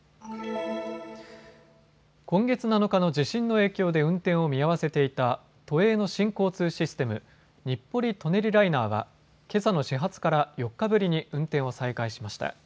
今月７日の地震の影響で運転を見合わせていた都営の新交通システム、日暮里・舎人ライナーはけさの始発から４日ぶりに運転を再開しました。